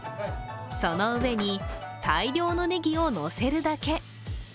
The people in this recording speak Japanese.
その上に大量のねぎをのせるだけ。